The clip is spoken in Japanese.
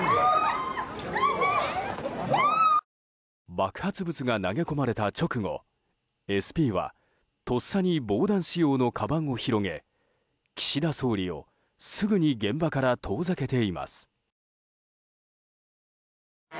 爆発物が投げ込まれた直後ＳＰはとっさに防弾仕様のかばんを広げ岸田総理をすぐに現場から遠ざけています。